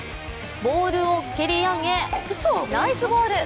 ボールを蹴り上げ、ナイスボール。